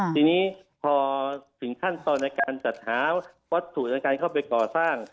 ทีนี้พอถึงขั้นตอนในการจัดหาวัตถุในการเข้าไปก่อสร้าง